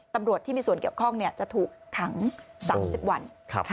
ตำรวจที่มีส่วนเกี่ยวข้องจะถูกขัง๓๐วัน